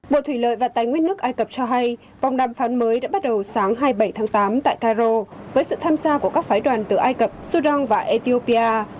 bộ thủy lợi và tài nguyên nước ai cập cho hay vòng đàm phán mới đã bắt đầu sáng hai mươi bảy tháng tám tại cairo với sự tham gia của các phái đoàn từ ai cập sudan và ethiopia